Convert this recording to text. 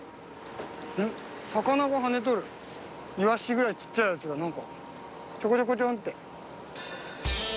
イワシぐらいちっちゃいやつがちょこちょこちょんって。